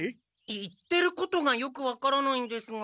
言ってることがよく分からないんですが。